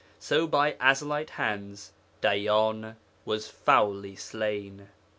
So by Ezelite hands Dayyan was foully slain.